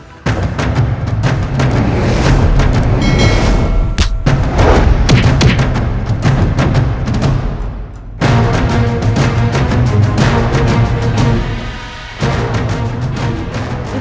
aku sudah menyerangmu